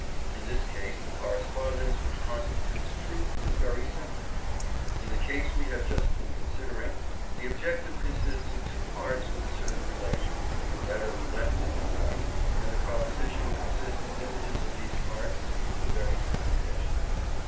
In this case the correspondence which constitutes truth is very simple. In the case we have just been considering the objective consists of two parts with a certain relation (that of left to right), and the proposition consists of images of these parts with the very same relation.